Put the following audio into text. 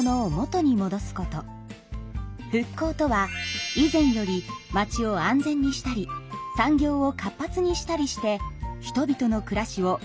復興とは以前より町を安全にしたり産業を活発にしたりして人々の暮らしをよりよくすることです。